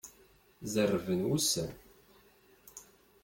Zerrben wussan.